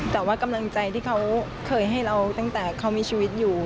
แต่ว่ากำลังใจที่เขาเคยให้เราตั้งแต่เขามีชีวิตอยู่